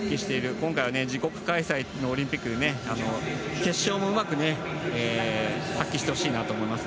今回は自国開催のオリンピックで決勝もうまく発揮してほしいなと思います。